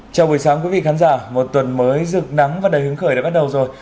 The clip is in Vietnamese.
chào buổi sáng quý vị khán giả một tuần mới rực nắng và đầy hứng khởi đã bắt đầu rồi